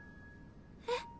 えっ？